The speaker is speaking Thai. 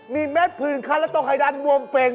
มีเม็ดผื่นคันและตรงไหดันวงเป็น